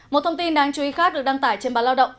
một thông tin đáng chú ý khác được đăng tải trên báo lao động